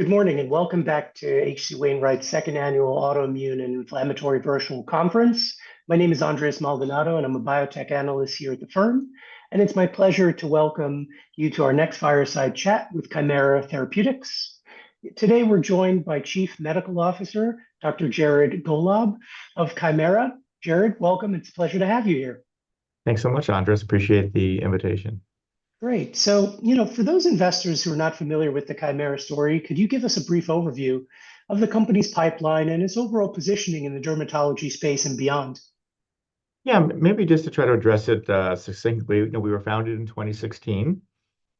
Good morning, and welcome back to H.C. Wainwright's Second Annual Autoimmune and Inflammatory Virtual Conference. My name is Andres Maldonado, and I'm a biotech analyst here at the firm, and it's my pleasure to welcome you to our next fireside chat with Kymera Therapeutics. Today, we're joined by Chief Medical Officer, Dr. Jared Gollob of Kymera. Jared, welcome. It's a pleasure to have you here. Thanks so much, Andres. Appreciate the invitation. Great! So, you know, for those investors who are not familiar with the Kymera story, could you give us a brief overview of the company's pipeline and its overall positioning in the dermatology space and beyond? Yeah, maybe just to try to address it succinctly, you know, we were founded in 2016.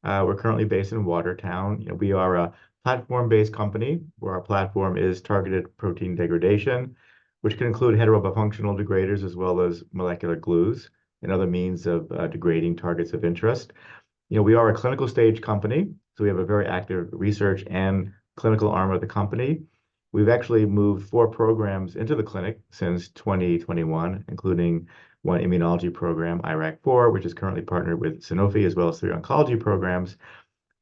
We're currently based in Watertown. You know, we are a platform-based company, where our platform is targeted protein degradation, which can include heterobifunctional degraders as well as molecular glues and other means of degrading targets of interest. You know, we are a clinical stage company, so we have a very active research and clinical arm of the company. We've actually moved four programs into the clinic since 2021, including one immunology program, IRAK4, which is currently partnered with Sanofi, as well as three oncology programs.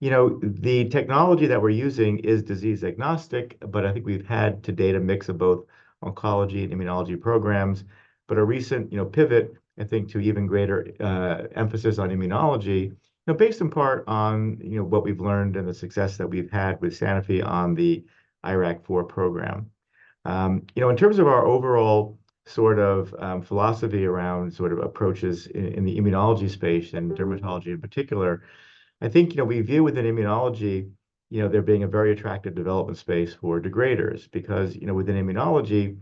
You know, the technology that we're using is disease-agnostic, but I think we've had to date a mix of both oncology and immunology programs. But a recent, you know, pivot, I think, to even greater emphasis on immunology, you know, based in part on, you know, what we've learned and the success that we've had with Sanofi on the IRAK4 program. You know, in terms of our overall sort of philosophy around sort of approaches in the immunology space and dermatology in particular, I think, you know, we view within immunology, you know, there being a very attractive development space for degraders. Because, you know, within immunology,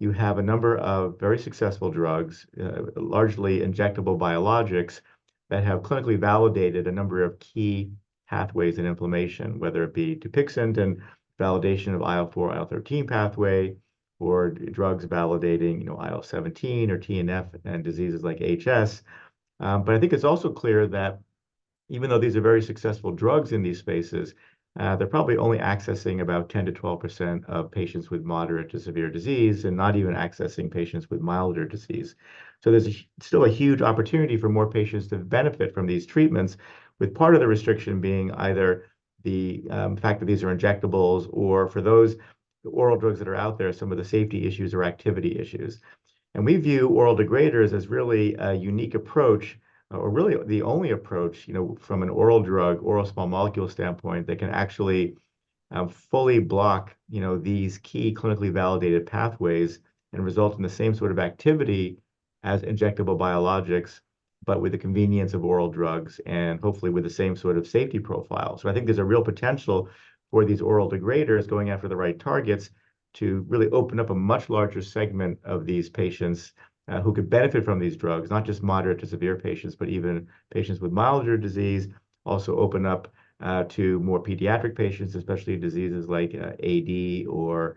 you have a number of very successful drugs, largely injectable biologics, that have clinically validated a number of key pathways in inflammation, whether it be Dupixent and validation of IL-4/IL-13 pathway, or drugs validating, you know, IL-17 or TNF in diseases like HS. But I think it's also clear that even though these are very successful drugs in these spaces, they're probably only accessing about 10%-12% of patients with moderate to severe disease, and not even accessing patients with milder disease. So there's still a huge opportunity for more patients to benefit from these treatments, with part of the restriction being either the fact that these are injectables, or for those oral drugs that are out there, some of the safety issues or activity issues. And we view oral degraders as really a unique approach, or really the only approach, you know, from an oral drug, oral small molecule standpoint, that can actually fully block, you know, these key clinically validated pathways and result in the same sort of activity as injectable biologics, but with the convenience of oral drugs, and hopefully with the same sort of safety profile. So I think there's a real potential for these oral degraders going after the right targets, to really open up a much larger segment of these patients who could benefit from these drugs. Not just moderate to severe patients, but even patients with milder disease. Also open up to more pediatric patients, especially in diseases like AD or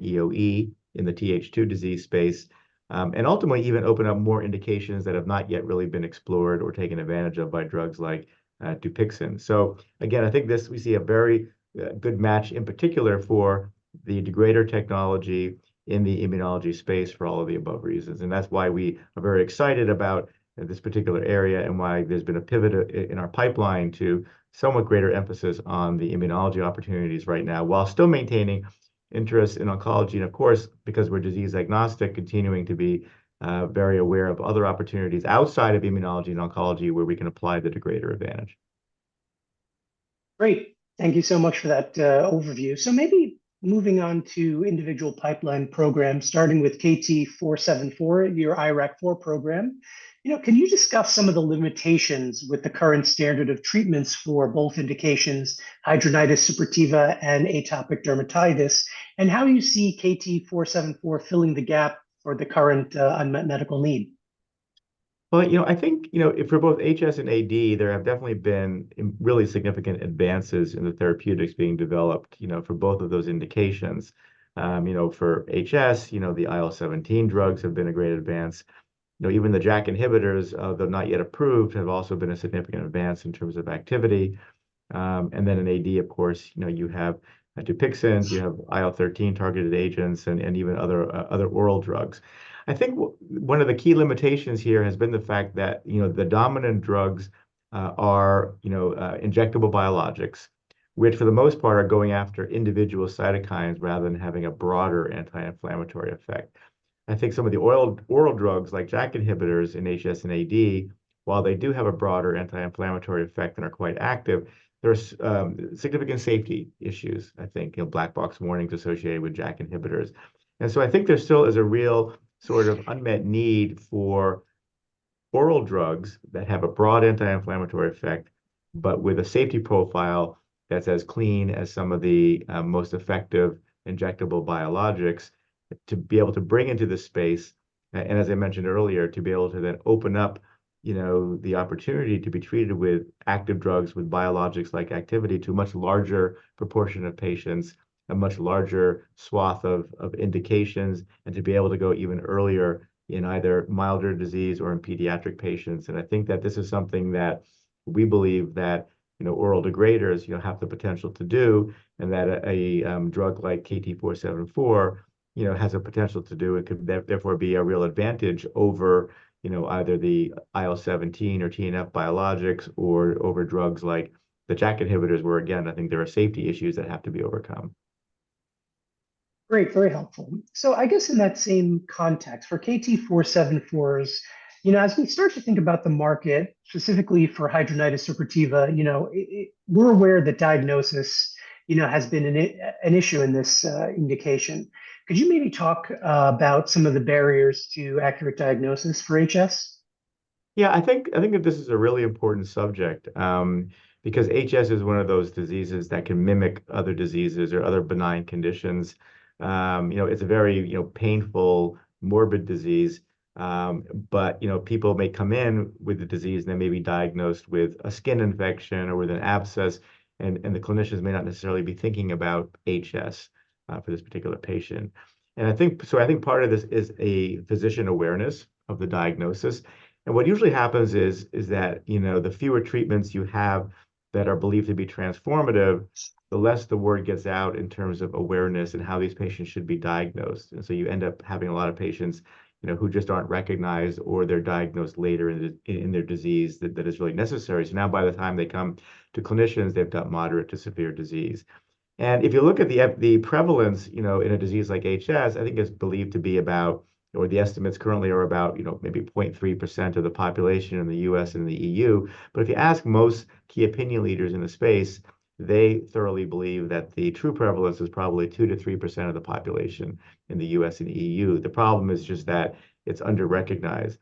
EoE, in the Th2 disease space. And ultimately, even open up more indications that have not yet really been explored or taken advantage of by drugs like Dupixent. So again, I think this, we see a very good match, in particular for the degrader technology in the immunology space for all of the above reasons. And that's why we are very excited about this particular area, and why there's been a pivot in our pipeline to somewhat greater emphasis on the immunology opportunities right now, while still maintaining interest in oncology. And of course, because we're disease-agnostic, continuing to be very aware of other opportunities outside of immunology and oncology, where we can apply the degrader advantage. Great. Thank you so much for that, overview. So maybe moving on to individual pipeline programs, starting with KT-474, your IRAK4 program. You know, can you discuss some of the limitations with the current standard of treatments for both indications, hidradenitis suppurativa and atopic dermatitis, and how you see KT-474 filling the gap for the current, unmet medical need? Well, you know, I think, you know, for both HS and AD, there have definitely been really significant advances in the therapeutics being developed, you know, for both of those indications. You know, for HS, you know, the IL-17 drugs have been a great advance. You know, even the JAK inhibitors, though not yet approved, have also been a significant advance in terms of activity. And then in AD, of course, you know, you have, Dupixent- Mm-hmm.... you have IL-13-targeted agents and even other oral drugs. I think one of the key limitations here has been the fact that, you know, the dominant drugs are, you know, injectable biologics, which for the most part, are going after individual cytokines rather than having a broader anti-inflammatory effect. I think some of the oral drugs like JAK inhibitors in HS and AD, while they do have a broader anti-inflammatory effect and are quite active, there's significant safety issues, I think. You know, black box warnings associated with JAK inhibitors. And so I think there still is a real sort of unmet need for oral drugs that have a broad anti-inflammatory effect, but with a safety profile that's as clean as some of the most effective injectable biologics to be able to bring into the space. And as I mentioned earlier, to be able to then open up, you know, the opportunity to be treated with active drugs, with biologics-like activity, to a much larger proportion of patients, a much larger swath of, of indications, and to be able to go even earlier in either milder disease or in pediatric patients. And I think that this is something that we believe that, you know, oral degraders, you know, have the potential to do, and that a drug like KT-474, you know, has the potential to do. It could therefore be a real advantage over, you know, either the IL-17 or TNF biologics, or over drugs like the JAK inhibitors, where again, I think there are safety issues that have to be overcome. Great, very helpful. So I guess in that same context, for KT-474's, you know, as we start to think about the market, specifically for hidradenitis suppurativa, you know, we're aware that diagnosis, you know, has been an issue in this indication. Could you maybe talk about some of the barriers to accurate diagnosis for HS? Yeah, I think, I think that this is a really important subject, because HS is one of those diseases that can mimic other diseases or other benign conditions. You know, it's a very, you know, painful, morbid disease, but, you know, people may come in with the disease, and they may be diagnosed with a skin infection or with an abscess, and, and the clinicians may not necessarily be thinking about HS, for this particular patient. And I think, so I think part of this is a physician awareness of the diagnosis. And what usually happens is, is that, you know, the fewer treatments you have that are believed to be transformative, the less the word gets out in terms of awareness and how these patients should be diagnosed. So you end up having a lot of patients, you know, who just aren't recognized, or they're diagnosed later in their disease than is really necessary. So now by the time they come to clinicians, they've got moderate to severe disease. And if you look at the prevalence, you know, in a disease like HS, I think it's believed to be about or the estimates currently are about, you know, maybe 0.3% of the population in the U.S. and the EU. But if you ask most key opinion leaders in the space, they thoroughly believe that the true prevalence is probably 2%-3% of the population in the U.S. and EU. The problem is just that it's under-recognized.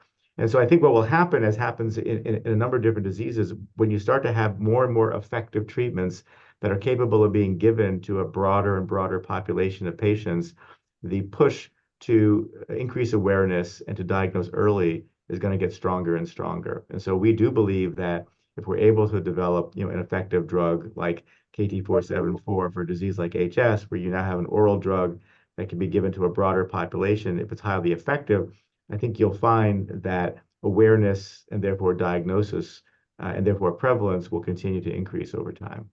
So I think what will happen, as happens in a number of different diseases, when you start to have more and more effective treatments that are capable of being given to a broader and broader population of patients, the push to increase awareness and to diagnose early is gonna get stronger and stronger. And so we do believe that if we're able to develop, you know, an effective drug like KT-474 for a disease like HS, where you now have an oral drug that can be given to a broader population, if it's highly effective, I think you'll find that awareness, and therefore diagnosis, and therefore prevalence, will continue to increase over time.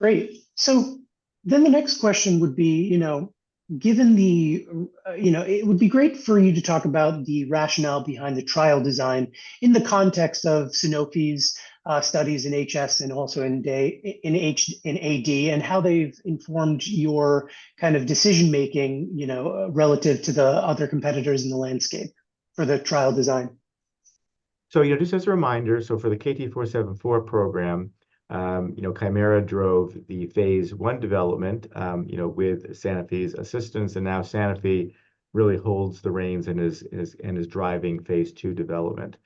Great. So then the next question would be, you know, given the... You know, it would be great for you to talk about the rationale behind the trial design in the context of Sanofi's studies in HS and also in AD, and how they've informed your kind of decision-making, you know, relative to the other competitors in the landscape for the trial design. So, you know, just as a reminder, for the KT-474 program, you know, Kymera drove the phase I development, you know, with Sanofi's assistance, and now Sanofi really holds the reins and is driving phase II development.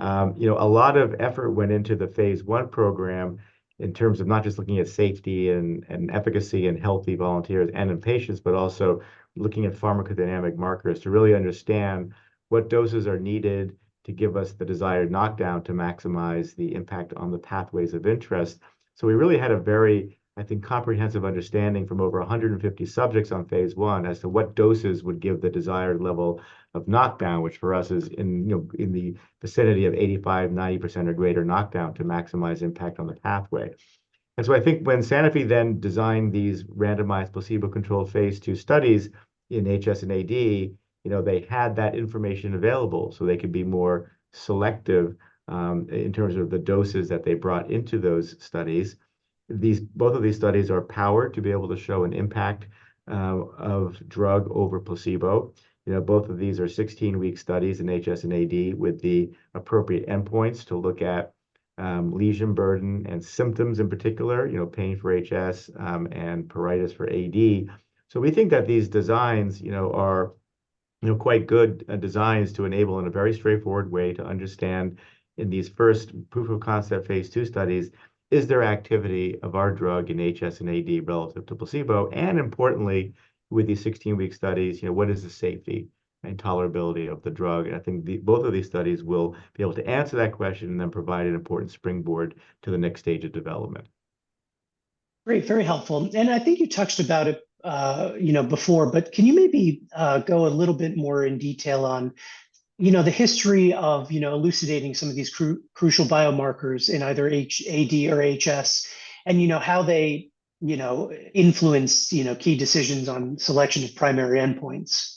You know, a lot of effort went into the phase I program in terms of not just looking at safety and efficacy in healthy volunteers and in patients, but also looking at pharmacodynamic markers to really understand what doses are needed to give us the desired knockdown to maximize the impact on the pathways of interest. So we really had a very, I think, comprehensive understanding from over 150 subjects on phase I as to what doses would give the desired level of knockdown, which for us is in, you know, in the vicinity of 85%-90% or greater knockdown to maximize impact on the pathway. And so I think when Sanofi then designed these randomized placebo-controlled phase II studies in HS and AD, you know, they had that information available, so they could be more selective in terms of the doses that they brought into those studies. These both of these studies are powered to be able to show an impact of drug over placebo. You know, both of these are 16-week studies in HS and AD, with the appropriate endpoints to look at, lesion burden and symptoms in particular, you know, pain for HS, and pruritus for AD. So we think that these designs, you know, are, you know, quite good designs to enable in a very straightforward way to understand in these first proof of concept phase II studies, is there activity of our drug in HS and AD relative to placebo? And importantly, with these 16-week studies, you know, what is the safety and tolerability of the drug? And I think both of these studies will be able to answer that question and then provide an important springboard to the next stage of development. Great, very helpful. I think you touched about it, you know, before, but can you maybe go a little bit more in detail on, you know, the history of, you know, elucidating some of these crucial biomarkers in either AD or HS, and, you know, how they, you know, influence, you know, key decisions on selection of primary endpoints?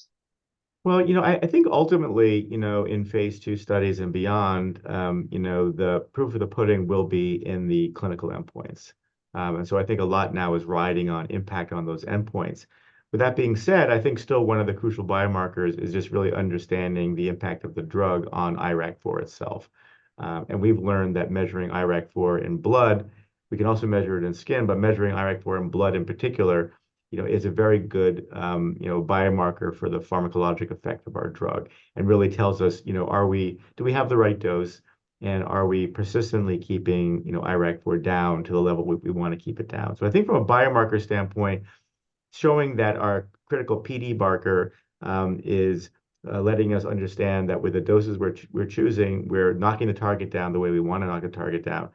Well, you know, I, I think ultimately, you know, in phase II studies and beyond, the proof of the pudding will be in the clinical endpoints. And so I think a lot now is riding on impact on those endpoints. With that being said, I think still one of the crucial biomarkers is just really understanding the impact of the drug on IRAK4 itself. And we've learned that measuring IRAK4 in blood, we can also measure it in skin, but measuring IRAK4 in blood in particular, you know, is a very good biomarker for the pharmacologic effect of our drug and really tells us, you know, are we- do we have the right dose, and are we persistently keeping, you know, IRAK4 down to the level we, we wanna keep it down? So I think from a biomarker standpoint, showing that our critical PD marker is letting us understand that with the doses we're choosing, we're knocking the target down the way we wanna knock the target down.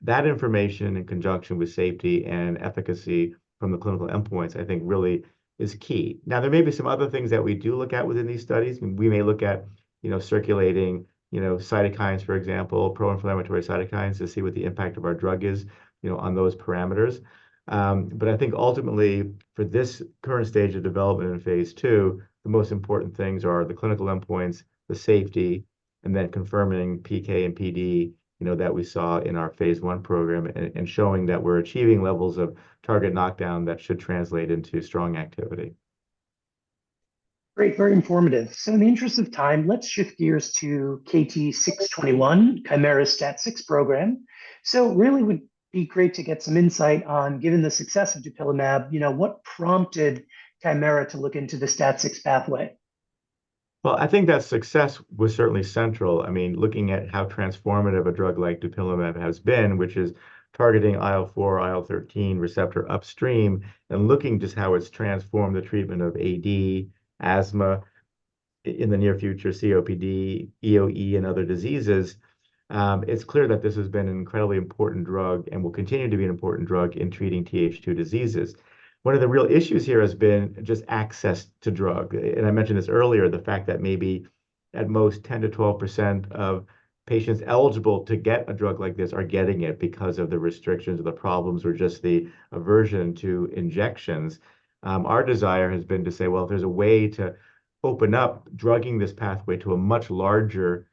That information, in conjunction with safety and efficacy from the clinical endpoints, I think really is key. Now, there may be some other things that we do look at within these studies. We may look at, you know, circulating, you know, cytokines, for example, pro-inflammatory cytokines, to see what the impact of our drug is, you know, on those parameters. But I think ultimately, for this current stage of development in phase II, the most important things are the clinical endpoints, the safety, and then confirming PK and PD, you know, that we saw in our phase I program, and showing that we're achieving levels of target knockdown that should translate into strong activity. Great, very informative. So in the interest of time, let's shift gears to KT-621, Kymera's STAT6 program. So really would be great to get some insight on, given the success of dupilumab, you know, what prompted Kymera to look into the STAT6 pathway? Well, I think that success was certainly central. I mean, looking at how transformative a drug like Dupixent has been, which is targeting IL-4/IL-13 receptor upstream, and looking just how it's transformed the treatment of AD, asthma, in the near future, COPD, EoE, and other diseases, it's clear that this has been an incredibly important drug and will continue to be an important drug in treating Th2 diseases. One of the real issues here has been just access to drug. And I mentioned this earlier, the fact that maybe at most 10%-12% of patients eligible to get a drug like this are getting it, because of the restrictions or the problems or just the aversion to injections. Our desire has been to say, well, if there's a way to open up drugging this pathway to a much larger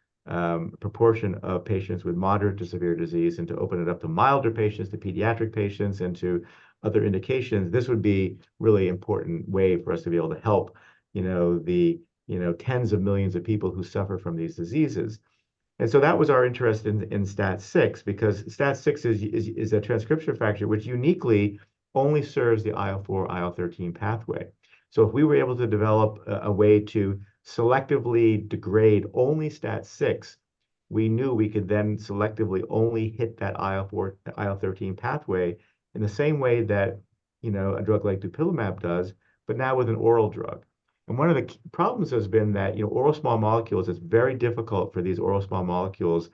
proportion of patients with moderate to severe disease, and to open it up to milder patients, to pediatric patients, and to other indications, this would be really important way for us to be able to help, you know, the, you know, tens of millions of people who suffer from these diseases. And so that was our interest in STAT6, because STAT6 is a transcription factor, which uniquely only serves the IL-4/IL-13 pathway. So if we were able to develop a way to selectively degrade only STAT6, we knew we could then selectively only hit that IL-4, the IL-13 pathway, in the same way that, you know, a drug like Dupixent does, but now with an oral drug. One of the key problems has been that, you know, oral small molecules, it's very difficult for these oral small molecules,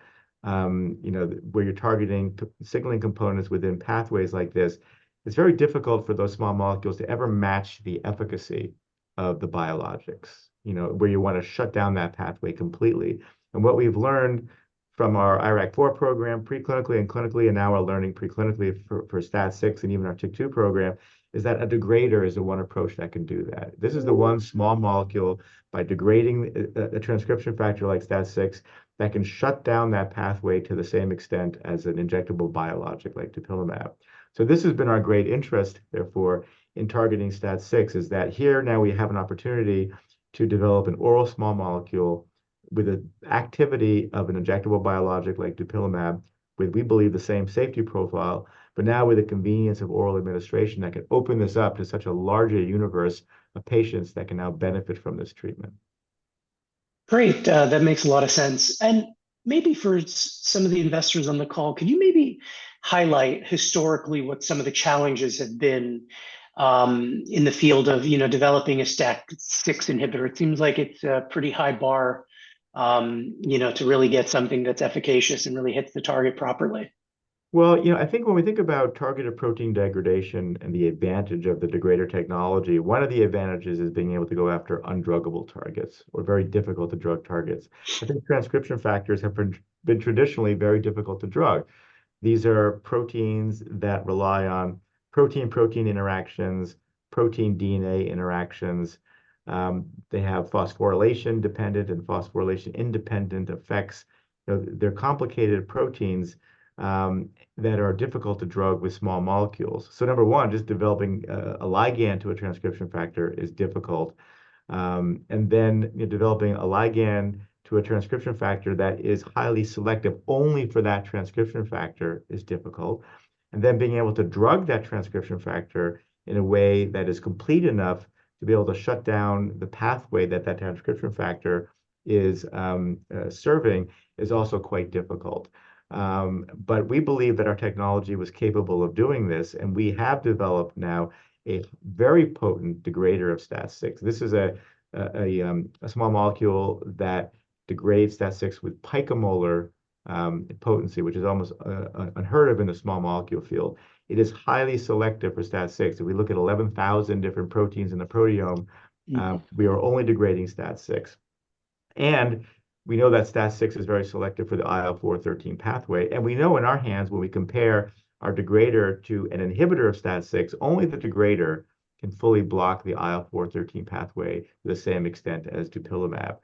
you know, where you're targeting key signaling components within pathways like this, it's very difficult for those small molecules to ever match the efficacy of the biologics, you know, where you wanna shut down that pathway completely. And what we've learned from our IRAK4 program, pre-clinically and clinically, and now we're learning pre-clinically for STAT6 and even our TYK2 program, is that a degrader is the one approach that can do that. This is the one small molecule, by degrading a transcription factor like STAT6, that can shut down that pathway to the same extent as an injectable biologic, like Dupixent. So this has been our great interest, therefore, in targeting STAT6, is that here now we have an opportunity to develop an oral small molecule with the activity of an injectable biologic, like dupilumab, with, we believe, the same safety profile, but now with the convenience of oral administration that could open this up to such a larger universe of patients that can now benefit from this treatment. Great, that makes a lot of sense. And maybe for some of the investors on the call, can you maybe highlight historically what some of the challenges have been, in the field of, you know, developing a STAT6 inhibitor? It seems like it's a pretty high bar, you know, to really get something that's efficacious and really hits the target properly. Well, you know, I think when we think about targeted protein degradation and the advantage of the degrader technology, one of the advantages is being able to go after undruggable targets or very difficult to drug targets. I think transcription factors have been traditionally very difficult to drug. These are proteins that rely on protein-protein interactions, protein-DNA interactions. They have phosphorylation-dependent and phosphorylation-independent effects. You know, they're complicated proteins that are difficult to drug with small molecules. So number one, just developing a ligand to a transcription factor is difficult. And then you're developing a ligand to a transcription factor that is highly selective, only for that transcription factor is difficult. And then being able to drug that transcription factor in a way that is complete enough to be able to shut down the pathway that that transcription factor is serving, is also quite difficult. But we believe that our technology was capable of doing this, and we have developed now a very potent degrader of STAT6. This is a small molecule that degrades STAT6 with picomolar potency, which is almost unheard of in the small molecule field. It is highly selective for STAT6. If we look at 11,000 different proteins in the proteome- Mm.... we are only degrading STAT6. We know that STAT6 is very selective for the IL-4/IL-13 pathway, and we know in our hands, when we compare our degrader to an inhibitor of STAT6, only the degrader can fully block the IL-4/IL-13 pathway the same extent as Dupixent.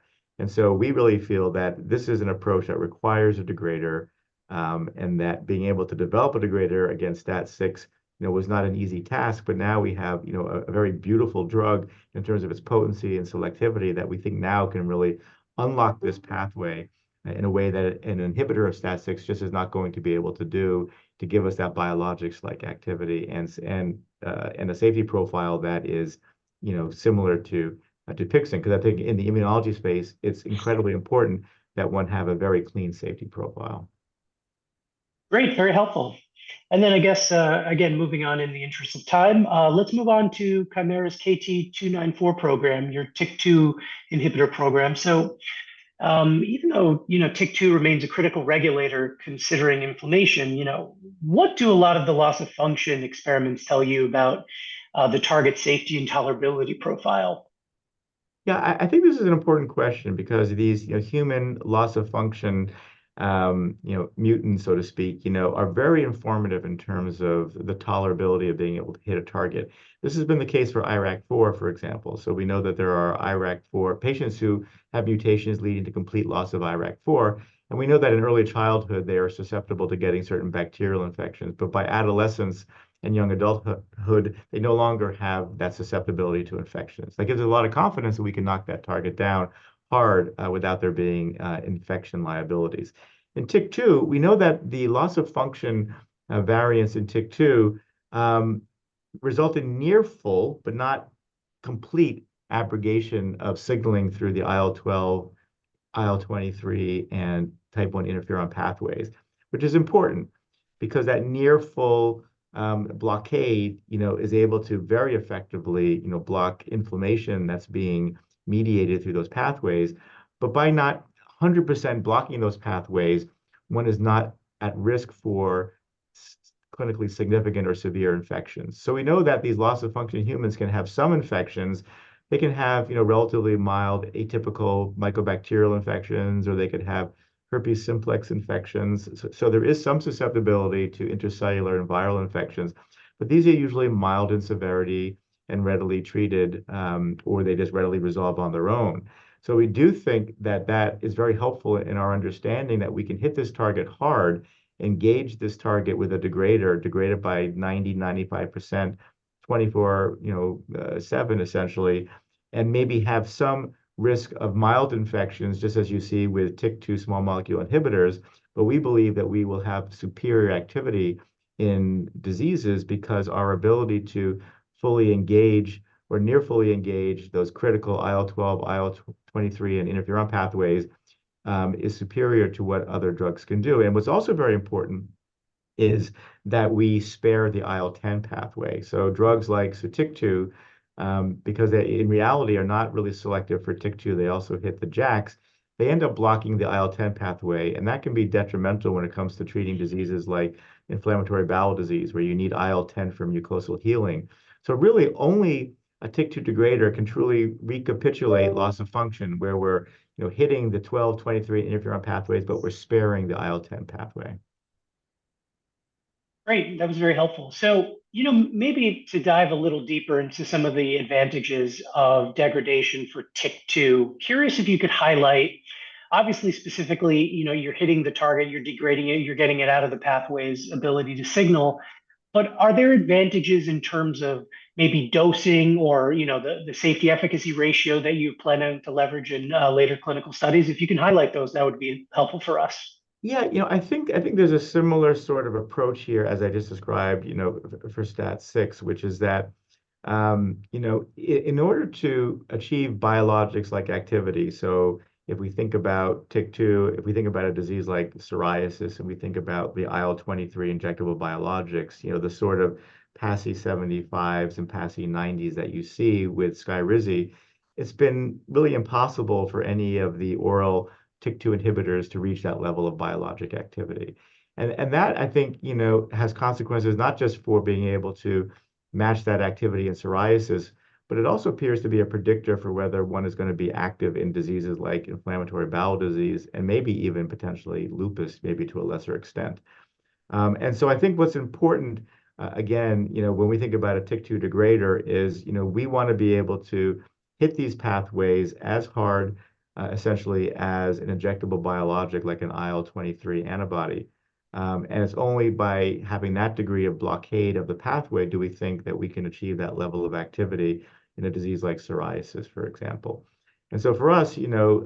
So we really feel that this is an approach that requires a degrader, and that being able to develop a degrader against STAT6, you know, was not an easy task, but now we have, you know, a very beautiful drug in terms of its potency and selectivity, that we think now can really unlock this pathway, in a way that an inhibitor of STAT6 just is not going to be able to do, to give us that biologics-like activity, and a safety profile that is, you know, similar to Dupixent. 'Cause I think in the immunology space, it's incredibly important that one have a very clean safety profile. Great, very helpful. And then I guess, again, moving on in the interest of time, let's move on to Kymera's KT-294 program, your TYK2 inhibitor program. So, even though, you know, TYK2 remains a critical regulator, considering inflammation, you know, what do a lot of the loss-of-function experiments tell you about, the target safety and tolerability profile? Yeah, I think this is an important question, because these, you know, human loss-of-function, you know, mutants, so to speak, you know, are very informative in terms of the tolerability of being able to hit a target. This has been the case for IRAK4, for example. So we know that there are IRAK4 patients who have mutations leading to complete loss of IRAK4, and we know that in early childhood, they are susceptible to getting certain bacterial infections, but by adolescence and young adulthood, they no longer have that susceptibility to infections. That gives us a lot of confidence that we can knock that target down hard, without there being, infection liabilities. In TYK2, we know that the loss-of-function variants in TYK2 result in near full, but not complete abrogation of signaling through the IL-12, IL-23, and type one interferon pathways, which is important, because that near full blockade, you know, is able to very effectively, you know, block inflammation that's being mediated through those pathways. But by not 100% blocking those pathways, one is not at risk for clinically significant or severe infections. So we know that these loss-of-function humans can have some infections. They can have, you know, relatively mild, atypical mycobacterial infections, or they could have herpes simplex infections. So there is some susceptibility to intracellular and viral infections, but these are usually mild in severity and readily treated, or they just readily resolve on their own. So we do think that that is very helpful in our understanding that we can hit this target hard, engage this target with a degrader, degrade it by 90%-95%, 24/7, essentially, and maybe have some risk of mild infections, just as you see with TYK2 small molecule inhibitors. But we believe that we will have superior activity in diseases, because our ability to fully engage or near fully engage those critical IL-12, IL-23, and interferon pathways is superior to what other drugs can do. And what's also very important is that we spare the IL-10 pathway. So drugs like SOTYKTU, because they, in reality, are not really selective for TYK2, they also hit the JAKs, they end up blocking the IL-10 pathway, and that can be detrimental when it comes to treating diseases like inflammatory bowel disease, where you need IL-10 for mucosal healing. So really, only a TYK2 degrader can truly recapitulate loss of function, where we're, you know, hitting the 12, 23 interferon pathways, but we're sparing the IL-10 pathway. Great. That was very helpful. So, you know, maybe to dive a little deeper into some of the advantages of degradation for TYK2, curious if you could highlight... Obviously, specifically, you know, you're hitting the target, you're degrading it, you're getting it out of the pathway's ability to signal, but are there advantages in terms of maybe dosing or, you know, the safety-efficacy ratio that you plan on to leverage in later clinical studies? If you can highlight those, that would be helpful for us. Yeah, you know, I think, I think there's a similar sort of approach here, as I just described, you know, for STAT6, which is that, you know, in order to achieve biologics like activity, so if we think about TYK2, if we think about a disease like psoriasis, and we think about the IL-23 injectable biologics, you know, the sort of PASI 75s and PASI 90s that you see with SKYRIZI, it's been really impossible for any of the oral TYK2 inhibitors to reach that level of biologic activity. And that, I think, you know, has consequences, not just for being able to match that activity in psoriasis, but it also appears to be a predictor for whether one is gonna be active in diseases like inflammatory bowel disease, and maybe even potentially lupus, maybe to a lesser extent. And so I think what's important, again, you know, when we think about a TYK2 degrader, is, you know, we want to be able to hit these pathways as hard, essentially, as an injectable biologic, like an IL-23 antibody. And it's only by having that degree of blockade of the pathway do we think that we can achieve that level of activity in a disease like psoriasis, for example. And so for us, you know,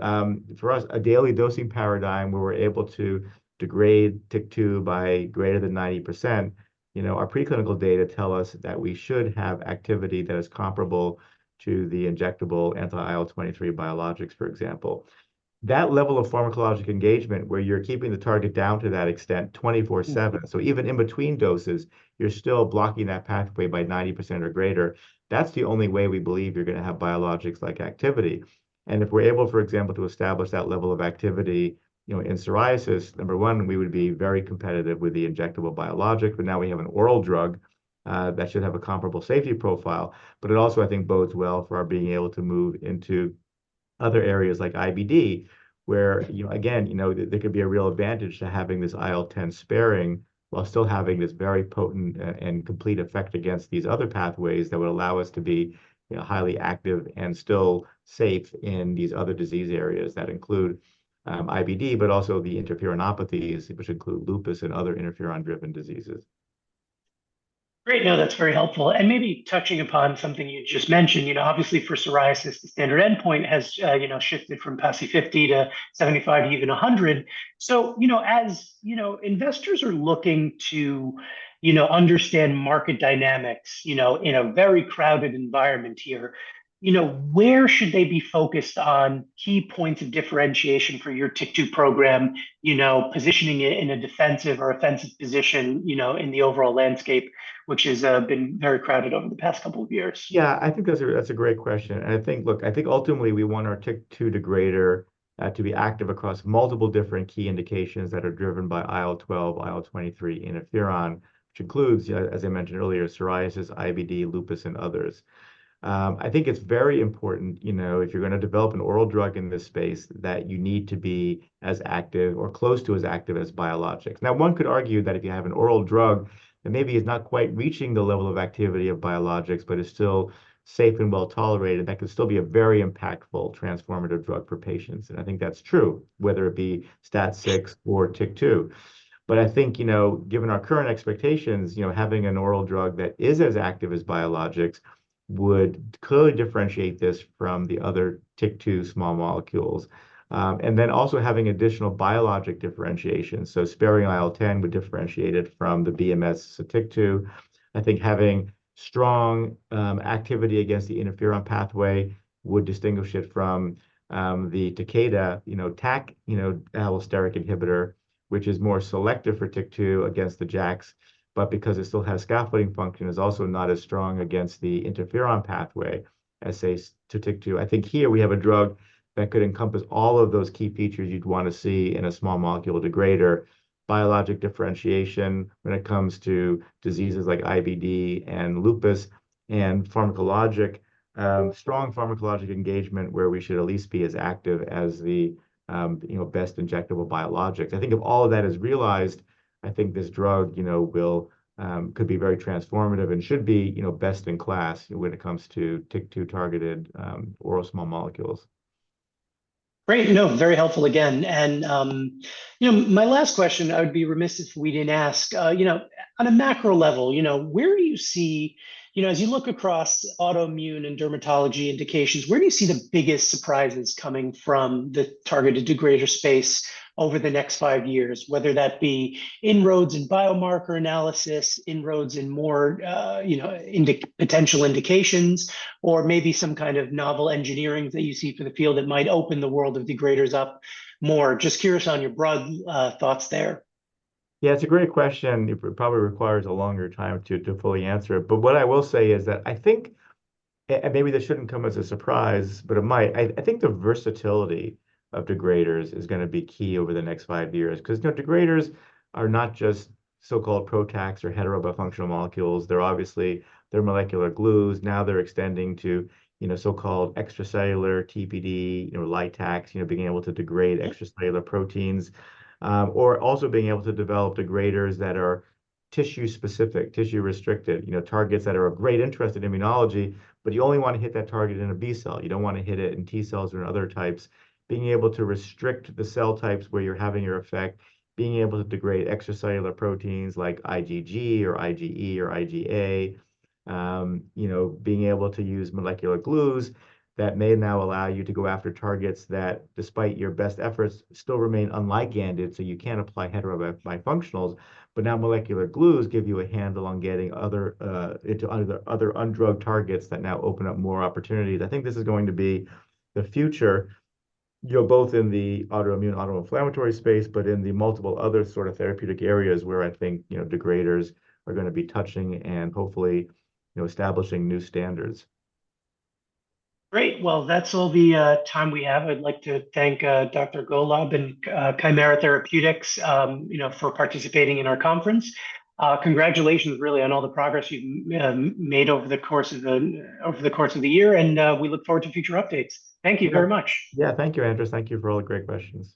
for us, a daily dosing paradigm, where we're able to degrade TYK2 by greater than 90%, you know, our preclinical data tell us that we should have activity that is comparable to the injectable anti-IL-23 biologics, for example. That level of pharmacologic engagement, where you're keeping the target down to that extent 24/7, so even in between doses, you're still blocking that pathway by 90% or greater, that's the only way we believe you're gonna have biologics like activity. And if we're able, for example, to establish that level of activity, you know, in psoriasis, number one, we would be very competitive with the injectable biologic, but now we have an oral drug, that should have a comparable safety profile. But it also, I think, bodes well for our being able to move into other areas like IBD, where, you know, again, you know, there could be a real advantage to having this IL-10 sparing, while still having this very potent and complete effect against these other pathways that would allow us to be, you know, highly active and still safe in these other disease areas that include, IBD, but also the interferonopathies, which include lupus and other interferon-driven diseases. Great. No, that's very helpful. Maybe touching upon something you just mentioned, you know, obviously, for psoriasis, the standard endpoint has, you know, shifted from PASI 50 to 75 to even a 100. So, you know, as, you know, investors are looking to, you know, understand market dynamics, you know, in a very crowded environment here, you know, where should they be focused on key points of differentiation for your TYK2 program, you know, positioning it in a defensive or offensive position, you know, in the overall landscape, which has been very crowded over the past couple of years? Yeah, I think that's a, that's a great question, and I think... Look, I think ultimately we want our TYK2 degrader to be active across multiple different key indications that are driven by IL-12, IL-23, interferon, which includes, as I mentioned earlier, psoriasis, IBD, lupus, and others. I think it's very important, you know, if you're gonna develop an oral drug in this space, that you need to be as active or close to as active as biologics. Now, one could argue that if you have an oral drug that maybe is not quite reaching the level of activity of biologics, but is still safe and well-tolerated, that could still be a very impactful, transformative drug for patients. And I think that's true, whether it be STAT6 or TYK2. But I think, you know, given our current expectations, you know, having an oral drug that is as active as biologics would clearly differentiate this from the other TYK2 small molecules. And then also having additional biologic differentiation, so sparing IL-10 would differentiate it from the BMS TYK2. I think having strong activity against the interferon pathway would distinguish it from the Takeda TAK allosteric inhibitor, which is more selective for TYK2 against the JAKs, but because it still has scaffolding function, is also not as strong against the interferon pathway as, say, TYK2. I think here we have a drug that could encompass all of those key features you'd want to see in a small molecule degrader, biologic differentiation when it comes to diseases like IBD and lupus, and pharmacologic, strong pharmacologic engagement, where we should at least be as active as the, you know, best injectable biologics. I think if all of that is realized, I think this drug, you know, will, could be very transformative and should be, you know, best in class when it comes to TYK2 targeted, oral small molecules. Great. You know, very helpful again. And, you know, my last question, I would be remiss if we didn't ask, you know, on a macro level, you know, where do you see... You know, as you look across autoimmune and dermatology indications, where do you see the biggest surprises coming from the targeted degrader space over the next five years? Whether that be inroads in biomarker analysis, inroads in more, potential indications, or maybe some kind of novel engineering that you see for the field that might open the world of degraders up more. Just curious on your broad, thoughts there. Yeah, it's a great question. It probably requires a longer time to fully answer it. But what I will say is that I think, and maybe this shouldn't come as a surprise, but it might, I think the versatility of degraders is gonna be key over the next five years. Because, you know, degraders are not just so-called PROTACs or heterobifunctional molecules, they're obviously, they're molecular glues. Now they're extending to, you know, so-called extracellular TPD, you know, LYTACs, you know, being able to degrade extracellular proteins. Or also being able to develop degraders that are tissue-specific, tissue-restricted, you know, targets that are of great interest in immunology, but you only want to hit that target in a B cell, you don't want to hit it in T cells or in other types. Being able to restrict the cell types where you're having your effect, being able to degrade extracellular proteins like IgG or IgE or IgA. You know, being able to use molecular glues that may now allow you to go after targets that, despite your best efforts, still remain unliganded, so you can't apply heterobifunctionals. But now molecular glues give you a handle on getting other into other undrugged targets that now open up more opportunities. I think this is going to be the future, you know, both in the autoimmune, autoinflammatory space, but in the multiple other sort of therapeutic areas where I think, you know, degraders are gonna be touching and hopefully, you know, establishing new standards. Great. Well, that's all the time we have. I'd like to thank Dr. Gollob and Kymera Therapeutics, you know, for participating in our conference. Congratulations really on all the progress you've made over the course of the year, and we look forward to future updates. Thank you very much. Yeah. Thank you, Andres. Thank you for all the great questions.